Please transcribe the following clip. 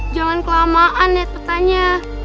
jangan kelamaan liat petanya